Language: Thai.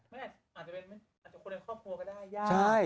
อาจจะเป็นคนในครอบครัวก็ได้